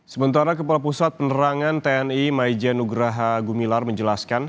sementara kepala pusat penerangan tni maijen nugraha gumilar menjelaskan